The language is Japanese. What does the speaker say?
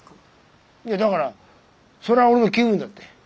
いやだからそれは俺の気分だって。